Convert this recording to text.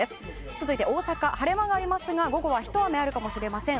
続いて大阪、晴れ間がありますが午後はひと雨あるかもしれません。